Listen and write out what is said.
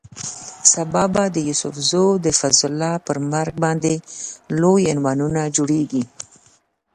سبا به د یوسف زو د فضل الله پر مرګ باندې لوی عنوانونه جوړېږي.